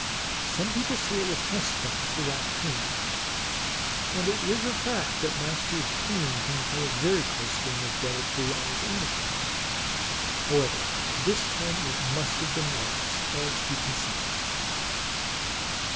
Some people say it was Hespuns, the Eaccoon ; and it is a fact that Master Coon can play a very close game of deviltry on his own account. However, this time it must have been Lox, as you can see by the tracks.